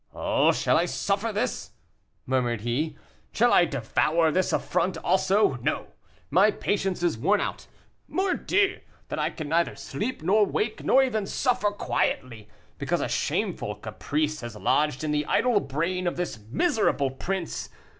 "Oh! shall I suffer this?" murmured he, "shall I devour this affront also? No, my patience is worn out. Mordieu! that I can neither sleep, nor wake, nor even suffer quietly, because a shameful caprice has lodged in the idle brain of this miserable prince.